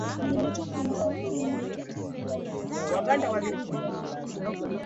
kwamba nilikuwa nikitumia dawa za kulevya